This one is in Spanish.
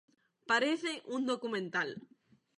Parece un documental.